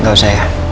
gak usah ya